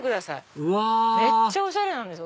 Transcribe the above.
うわめっちゃおしゃれなんですよ。